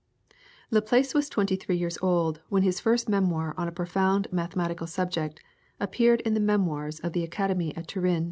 Laplace was twenty three years old when his first memoir on a profound mathematical subject appeared in the Memoirs of the Academy at Turin.